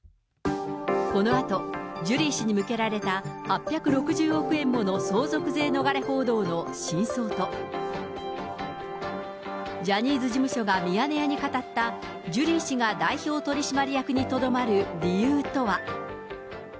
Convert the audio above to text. このあと、ジュリー氏に向けられた８６０億円もの相続税逃れ報道の真相と、ジャニーズ事務所がミヤネ屋に語った、ジュリー氏が代表取締役にとどまる理由とは。